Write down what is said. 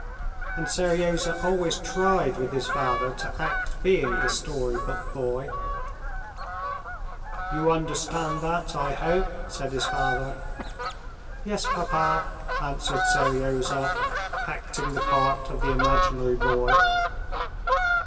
And Seryozha always tried with his father to act being the story book boy. "You understand that, I hope?" said his father. "Yes, papa," answered Seryozha, acting the part of the imaginary boy.